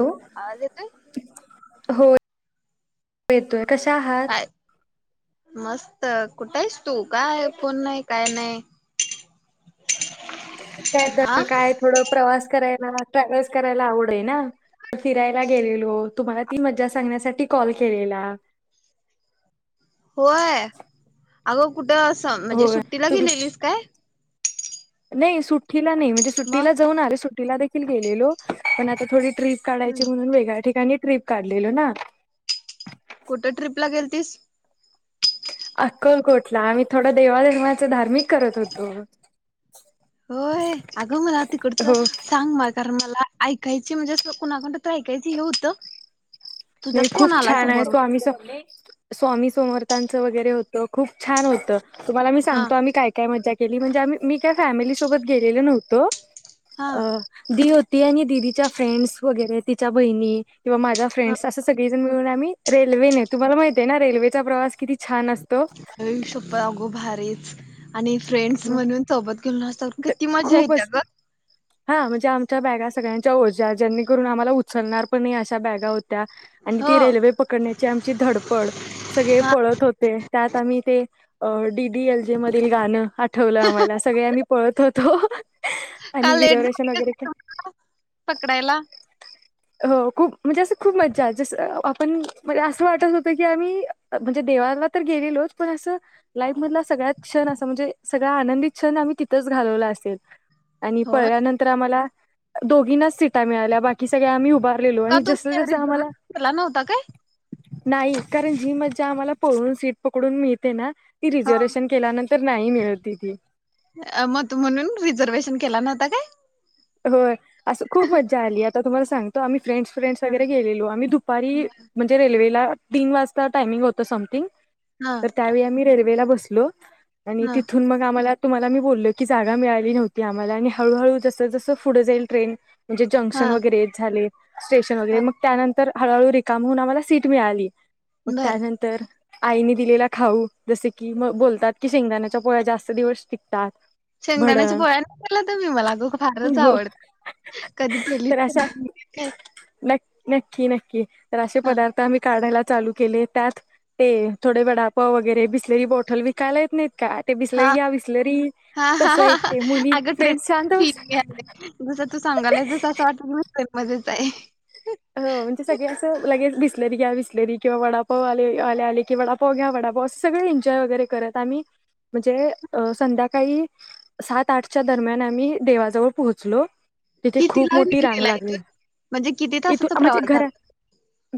Hello आवाज येतोय? हो येतोय, कशा आहात? काय मस्त, कुठाईस? तू काय हे फोन नाही काय नाही. [inaudible] हा [unintelligible] ट्रॅव्हल्स करायला आवड हे ना फिरायला गेलेलो तुम्हाला ती मज्जा सांगण्यासाठी कॉल केलेला. होय आग कु ट असं म्हणजे हो सुट्टीला तुम्ही गेलेलीस काय. नाही सु्ट ट्टी ला नही म्हणजे सुट्टी मग ला जाऊन आले सूट [unintelligible] ट्रिप हम् काढायची म्हणून वेगळ्या ठिकाणी. ट्रिप काढलेला ना. कुठे ट्रिप ला गेल तीस अक्कलकोटला आमी थोडा देवाधर्माच धार्मिक करत होतो. होय अगं मला तिकडचं हो सांग म कारण मला ऐकायचे म्हणजे अस कुणाकडन तर ऐकायच हे होतं. नाही तुझाच खूप फोन आला छान आहे समोरून स्वामी स स्वामी. समरथांचं वगैरे होतं खूप छान होतं. तुम्हाला मी हा सांगतो आम्ही काय काय मजा पहली म्हणजे आम्ही मी काय फॅमिली सोबत गेलेलो नव्हतो. हा अ दिवो ती आणि दिदीच्या फ्रेंडस वगैरे तिच्या बहिणी किंवा माझा हा. फेंडस सगळी जन मिळून आम्ही रेल्वेने तुम्हाला माहितय ना रेल्वेचा प्रवास किती छान असतो आयुशापो अगो भारीच. आणि फ्रेंड्स म्हणून सोबत घेऊ न असत किती मज्जा येत्या खूपच ग. हा म्हणजे आमच्या बॅगा सगळ्यांच्या ओजा ज्यांने करुन आम्हाला उचलणार पण अशा बॅगा हो आणि हो ती रेल्वे पकडण्याची आमची धडपड सगळे हा पळत होते त्यात आम्ही ते. अ डीडी एल जे मधील गांण हा. ठेवलं आम्हाला सगळे आम्ही पळत होतो का आणि लेट झाली रिझर्वेशन वगैरे का पकडायला हो खूप म्हणजे असं खूप मज्जा, जसं आपण म्हणजे असं वाटत होत की आम्ही म्हणजे देवाला तर गेलेलोच पण असं लाईफ मधला सगळ्यात क्षण असा म्हणजे सगळा आनंदित क्षण आम्ही तिथंच घालवला असेल. आणि होय पळल्यानंतर आम्हाला दोघीनाच सीटा मिळाल्या बाकी सगळे आम्ही उभा का तुम्ही रिझर्वेशन केला नव्हता काय? नाही कारण जी मज्जा आम्हाला पळून सीट पकडून मिळते ना ती रिझर्वेशन केल्यानंतर नाही मिळती ती आता काय? होय. असं खूप मज्जा आली. आता तुम्हाला सांगतो आम्ही फ्रेंड्स फ्रेड्स हा वगैरेलेलो आम्ही दुपारी म्हणजे रेल्वेला तीन वाजता टायमिंग होत समथिंग तर हा त्यावेळी आम्ही रेल रेल्वेला बसलो. आणि हा तिथून मग आम्हाला तुम्हाला मी बोललो की जागा मिळाली नव्हती आम्हाला आणि हळूहळू जसं जसं पुढे जाईल ट्रेन म्हणजे हा जंक्शन वगैरेे झाले स्टेशन वगैरे हा. मग त्यानंतर तर हळूहळू रिकाम हुन आम्हाला सीट मिळाली. बर त्यानंतर आईने दिलेला खाऊ जसे की मग बोलतात की शेंगदाण्याच्या पोळ्या जास्त दिवस टिकतात. शेंगदाण्याची भडंग पोळ्या नाही केला तुम्ही मला तर फारच हो आवड कधी गेली तर अशा [unintelligible] न नक्की नक्की तर असे पदार्थ आम्ही काढायला चालू केले त्यात ते थोडे वडा पाव वगैरे बिसलेरी बॉटल विकायला येत नाहीत. का ते बिसलरी हा या बिसलरी हा हा तसं हा एक हा. ते मुली फ्रेंडस शांत जस तू बस सांगायलायस जस असं वाटत न तर मजेत आहे. हो म्हणजे सगळे असं लगेच बिसलेरी घ्या बिसलेरी किंवा वडापाव आले आले आले कि वडापाव घ्या वडापाव असे सगळे एन्जॉय वगैरे करत आम्ही म्हणजे संध्याकाळी सात आठच्या दरम्यान आम्ही देवाजवळ पोहोचलो. तिथे खूप कितिला मोठी रांग निघलाय लागली म्हणजे किती तास इथून म्हणजे घरा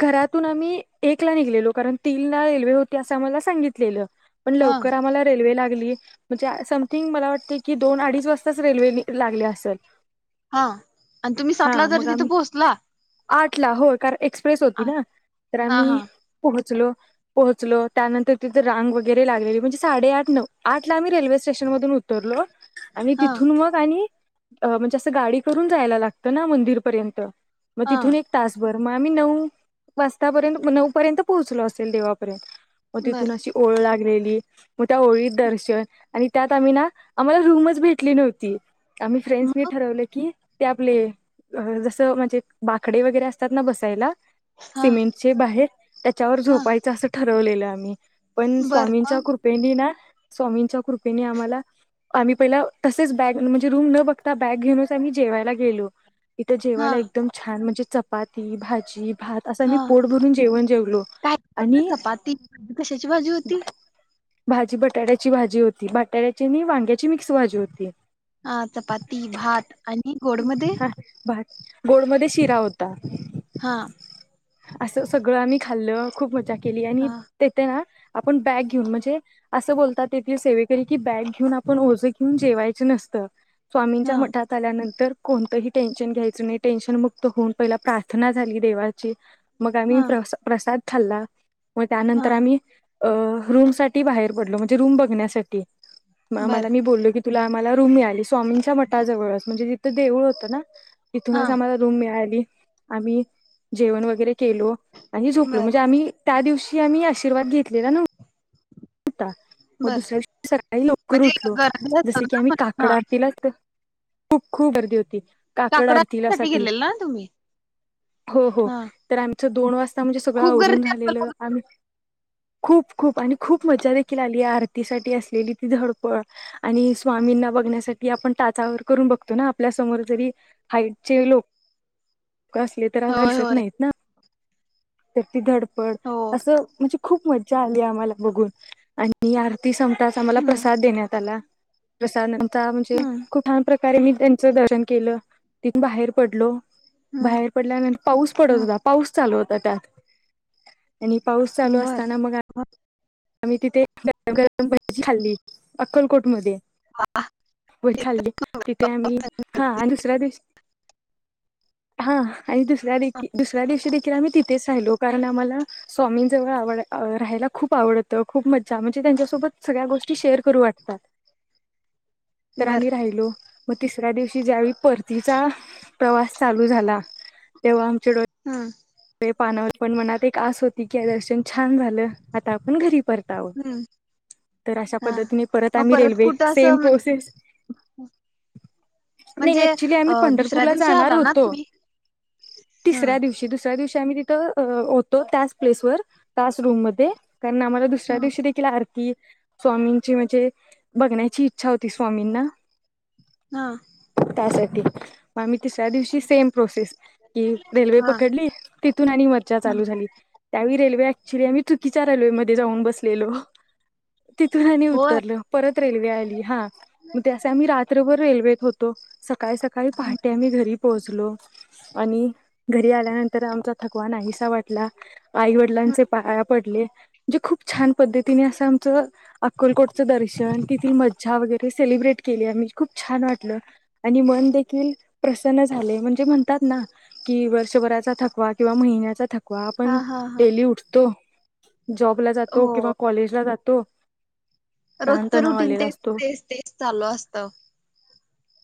घरातून आम्ही एकला निघलेलो कारण तीनला रेल्वे होती असं आम्हाला सांगितलेलं. पण हा लवकर आम्हाला रेल्वे लागली म्हणजे समथिंग मला वाटते की दोन अडीच वाजताच रेल्वे लागले असेल. हा आणि तुम्ही हा सातला मग तरी आम्ही तिथे पोहोचला. आठ ला हो कार एक्सप्रेस होती आ- ना तर हा हा आम्ही पोहोचलो. पोहोचलो त्यानंतर तिथे रांग वगैरे लागलेली म्हणजे साडे आठ नऊ आठला रेल्वे स्टेशन मधून उतरलो. आणि हा तिथून मग आणि अ म्हणजे असं गाडी करून जायला लागतं ना मंदिरपर्यंत म हा तिथून एक तास बर म आम्ही नऊ वाजतापर्यंत म नऊ पर्यंत पोहोचलो असेल देवापर्यंत म तिथून बर अशी ओळ लागले ली म त्या ओळीत दर्शन आणि त्यात आम्ही ना, आम्हाला रूमच भेटली नव्हती. आम्ही फ्रेंडसनी मग ठरवलं की ते आपले अह जसं म्हणजे बाकडे वगैरे असतात ना बसायला. हा सिमेंट चे बाहेर त्याच्यावर हा झोपायचं असं ठरवलेलं. आमी पण बर स्वामींच्या मग कृपेने ना स्वामींच्या कृपेने आम्हाला, आम्ही पहिला तसेच बॅग म्हणजे रूम न बघता बॅग घेऊनच आम्ही जेवायला गेलो. इथ हा जेवायला एकदम छान म्हणजे चपाती, भाजी, भात अस आमी हा पोट भरून जेवण जेवलो काय आणि चपाती कशाची भाजी होती भाजी बटाट्याची भाजी होती, बटाट्याची आणि वांग्याची मिक्स भाजी होती. आ चपाती, भात आणि गोडमध्ये गोडमधे शिरा होता. हा असं सगळं आमी खाल्लं, खूप मजा केली आणि हा तेते ना आपण बॅग घिऊन म्हणजे असं बोलतात तेथील सेवेकरी की, बॅग घिऊन आपण ओझं घिऊन जेवायच नसतं. स्वामींच्या हा मठात आल्यानंतर कोणतही टेन्शन घ्यायचं नई, टेन्शन मुक त होऊन पहिला प्रार्थना झाली देवाची मग आम्ही हा प्रसा प्रसाद खाल्ला. मग हा त्यानंतर आमी अ रूम साठी बाहेर पडलो म्हणजे रूम बघण्यासाठी म बर माला मी बोल्ले की तुला आम्हाला रूम मिळालीस. स्वामींच्या मठाजवळच म्हणजे ति त देऊळ होतं ना. हा इथूनच आम्हाल मिळाली आम्ही जेवण वगैरे केलो आणि झोपलो बर म्हणजे आम्ही त्या दिवशी आम्ही आशीर्वाद घेतलेला न त्या म बर दुसऱ्या दिवशी सकाळी लवकर म्हणजे उठलो गर्दी जस असेल की ना आम्ही पण काकड हा आरतीला उठलो खूप खूप गर्दी होती. काकड काकडा आरतीला साठी गेलेल ना तुम्ही हो हो हा तर आम अस दोन वाज म्हणजे सगळं खूप आवरून गर्दी असेल झालेलं बघा. आमी खूप खूप आणि खूप मजा देखील आली आरतीसाठी असलेली ती धडपड आणि स्वामींना बघण्यासाठी आपण टाचावर करून बघतो ना आपल्या समोर जरी हाईटचे लोक असले तर एवढ होय दिसत होय नाहीत ना तर ती धडप पड हो अस म्हणजे खूप मजा आली आम्हाला बघून आणि [unintelligible] ती सुंठाचा आम्हाला हम्म प्रसाद देण्यात आला. [unintelligible] त्या म्हणजे हम्म खूप [unintelligible] कारण मी त्यांचं धोरण केलं बाहेर पडलो हम्म बाहेर पडल्यानंतर पाऊस पडत हम्म होता पाऊस चालू होता त्यात आणि पाऊस चालू बर असताना मग आम्ही तिथे गरम गरम भजी खाल्ली अक्कलकोटमध्ये [unintelligible] खाल्ली तिथे आम्ही हा दुसऱ्या दिवशी हा आणि दुसऱ्या दे दुसऱ्या दिवशी देखील मी तर आम्ही तिथेच राहिलो कारण आम्हाला स्वामी जवळ आव राहायला खूप आवडत तर खूप मज्जा म्हणजे त्यांच्यासोबत सगळ्या गोष्टी शेअर करू वाटतात. तर बर आम्ही राहिलो. म तिसऱ्या दिवशी ज्यावेळी परतीचा प्रवास चालू झाला तेव्हा डोळे हूं पानावर पण मनात एक आस होत ठीकये दर्शन छान झालं आता आपण घरी परताव हम्म तर अशा हा पद्धतीने परत मग आम्ही रेल्वे कुठं सेम असं प्रोसेस म्हणजे नाही ऍक्च्युली अ आम्ही दुसऱ्या पंढरपूरला दिवशी जाणार आला ना होतो तुम्ही तिसऱ्या हम्म दिवशी दिवशी आम्ही तिथं होतो त्याच प्लेस व त्याच रूम मध्ये कारण आम्हाला दुसऱ्या दिवशी देखील आर कि स्वामींची म्हणजे बघण्याची इच्छा होती स्वामींना हा त्यासाठी म आम्ही तिसऱ्या दिवशी सेम प्रोसेस की रेल्वे हा पकडली. तिथून आणि मज्जा हा चालू झाली त्यावेळी रेल्वे आम्ही चुकीचा रेल्वे मध्ये जाऊन बसलेलो. तिथून आणि होय उतरलो परत रेल्वे आली हा मग ते असे आम्ही रात्रभर रेल्वे होतो स सकाळी सकाळी पहाटे आम्ही घरी पोहोचलो आणि घरी आल्यानंतर तर आमचा थकवा नाहीसा वाटला आईवडिलांचे पाया पडले जे खूप छान पद्धतीने अस आमच अक्कलकोटचं दर्शन तिथील मज्जा वगैरे सेलिब्रेट केली आम्ही खूप छान वाटलं आणि मन देखील प्रसन्न झाले म्हणजे म्हणतात ना की वर्षभराचा थक कवा किंवा महिन्याचा थक कवा आपण हा हा हा डेली उठतो जॉबला जातो किंवा कॉलेज ला जा तो रोजच रुटीन तेच तेच तेच चालू असतं.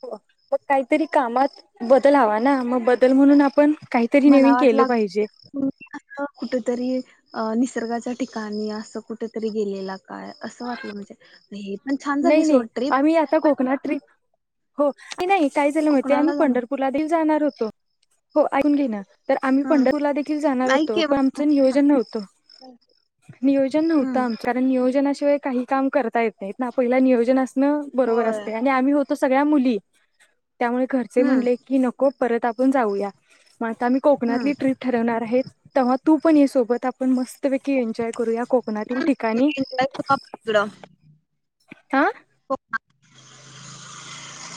हो मग काहीतरी कामात बदल हवा ना मग बदल म्हणून आपण काहीतरी नवीन केलं पाठलाग पाहिजे. म्हणून आता कुठंतरी अ नीस निसर्गाच्या ठिकाणी असं कुठेतरी गेलेला काय असं वाटलं म्हणजे हे पण छान झाली नाही नाही सोड ट्रीप आम्ही आता कोकणात ट्रीप हो नाही काय झालं माहिती आहे कोकणाला आम्ही जाणार पंढरपूरला आधी जाणार होतो. हो आयकुन घे ना तर आम्ही हम्म पंढरपूरला देखील जाणार नाही होतो, पण केव्हा आमचं नियोजन नव्हतं, नियोजन नव्हतं हम्म आमचं कारण नियोजना शिवाय काही काम करता येत नाहीत ना. पहिला नियोजन आसन बरोबर होय असतय आम्ही होतो स- त्या मुली त्यामुळे घरचे हम्म म्हणले की नको परत आपण जाऊया म आता आम्ही कोकणातली हम्म ट्रीप ठरवणार आहे. तवा तू पण ये सोबत आपण मस् मस्त पैकी एन्जॉय करूया कोकणातील ठिकाणी एन्जॉय करू आपण तिकडं आ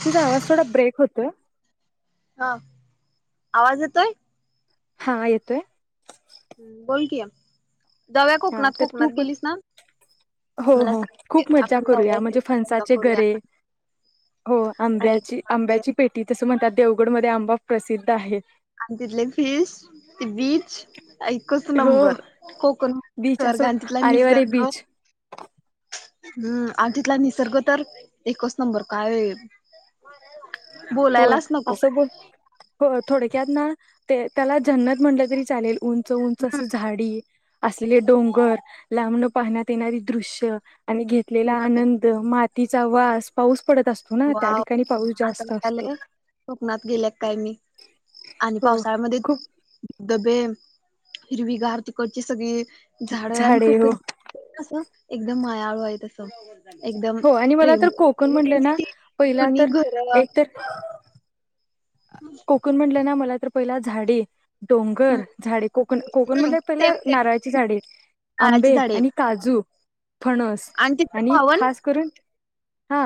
तुझा आवाज थोडा ब्रेक होतोय. हा आवाज येतोय? हा येतोय. हम् बोल कि हा तर खूप हो मला हो सांग खूप मज्जा आपण करूया जाऊया म्हणजे ट्रिप फणसाचे करूया गरे, हो आणि आंब्याची ते आंब्याची पेटी तस म्हणतात देवगड मध्ये आंबा प्रसिद्ध आहे. आणि तिथले फिश, ती बीच एकच हो नंबर कोकण बीच निसर्ग असो आणि तिथला आरेवारे निसर्ग बीच हम्म आणि तिथला निसर्ग तर एकच नंबर काय होय बोलायलाच नको असं बोल होय थोडक्यात ना त्याला जन्नत म्हटलं तरी चालेल ऊन उंच-उंच असं झाडी असले डोंगर, लांबणं पाहण्यात येणारी दृश्य आणि घेतलेला होय आनंद मात तीचा वास पाऊस पडत असतो ना त्या वाव ठिकाणी पाऊस जास्त असतो. [unintelligible] कोकणात गेल्या का काय मी आणि हो पावसाळ्यामध्ये खूप दबे हिरवी गार तिकडची सगळी झाडं आणि झाडे हो कोकण कसं एकदम मायाळू आहे तसं एकदम हो आणि मला तर प्रेमळ कोकण आणि म्हणलं त्यांची ना ती पहिला जुनी तर घर एक हम्म तर कोकण म्हटलं ना मला तर पहिला झाडी डोंगर झाडे कोकण कोकण हम्म म्हणले कि पहिला सेम सेम नारळाची झाडे, नारळाची आंबे झाडे आणि काजू फणस तिथं आणि पावन खास करून हा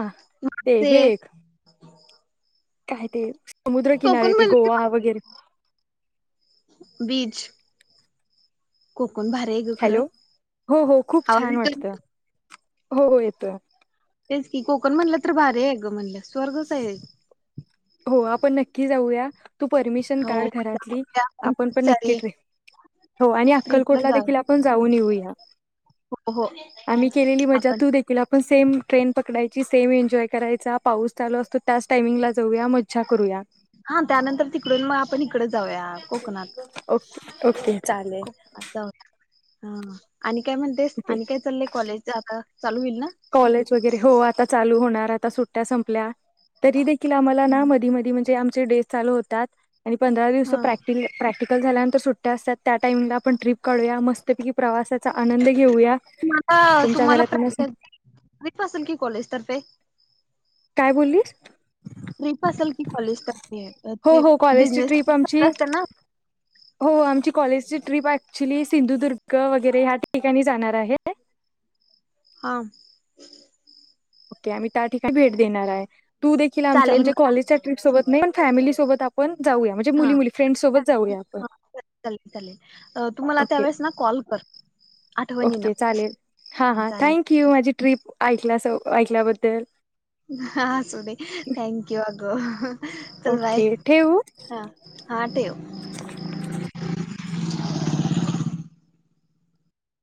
ते हे एक काय ते समुद्रकिनारे कोकण ते गोवा वगैरे बीज हॅलो हो हो खूप आवाज छान येतोय वाटतं ना हो हो येतोय तेच की कोकण म्हणलं तर भारी आहे गं म्हणलं स्वर्ग च आहे हो आपण नक्की जाऊया तू परमिशन हो काढं घरातली म्हणजे आपण खूप पण नक्कीच सारी ट्रीप हो आणि ट्रिपला अक्कलकोटला जाऊ देखील आपण जाऊन येऊया हो हो आम्ही केलेली मजा आपण तू देखील आपण सेम ट्रेन पकडायची सेम एन्जॉय करायचा पाऊस चालू असतो त्याचं टायमिंगला जा जायूया मज्जा करूयात हा त्यानंतर तिकडून मग आपण इकडच जाऊया कोकणात ओके ओके चालेल कोकणात जाऊया हा आणि काय म्हणतेस ओके आणि काय चाललंय कॉलेज आता चालू होईल ना कॉलेज वगैरे हो आता चालू होणार आता सुट्ट्या संपल्या तरी देखील आम्हाला ना हम्म, मधी मधी म्हणजे आमचं ते डेज चालू होतात आणि पंधरा दिवसा हा प्रॅक्ट प्रॅक्टि झाल्यानंतर सुट्ट्या असतात त्या टाईमला आपण ट्रीप काढूया मस्तपैकी प्रवासाचा आनंद घेऊया तुम्हाला तुमच्या तुम्हाला घरातल्यांना सांग प्रॅक्टिस ट्रीप असेल की कॉलेज तर्फे काय बोल्लीस ट्रीप असल कि कॉलेज तर्फे अ हो ते हो कॉलेजची बिजनेस ट्रिप आमची सारख आसत्या ना हो आमची कॉलेजची ट्रिप ॲक्च्युली सिंधुदुर्ग वगैरे ह्या ठिकाणी जाणार आहे हा ओके आम्ही त्या ठिकाणी भेट देणार आहे तू देखील आमच्या चालेल म्हणजे मला कॉलेजच्या ट्रिप सोबत मी पण फॅमिली सोबत आपण जाऊया म्हणजे हा मुली मुली फ्रेंड सोबत जाऊया आपण ह चालेल चालेल तु मला ओके त्यावेेळेस ना कॉल कर आठवणीनं ओके चालेल हा हा थँक यू माझी ट्रीप ऐकला सो ऐकल्याबद्दल हो चल बाय ओके ठेवू हा हा ठेव [unintelligible] [inaudible]